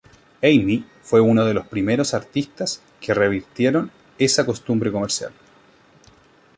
Amy fue uno de los primeros artistas que revirtieron esa costumbre comercial.